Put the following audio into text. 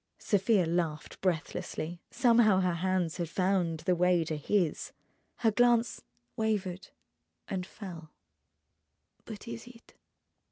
Sofia laughed breathlessly. Somehow her hands had found the way to his. Her glance wavered and fell. "But is it?"